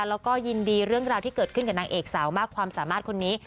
แล้วก็ยินดีเรื่องราวที่เกิดขึ้นกับนางเอกสาวมากความสามารถคนนี้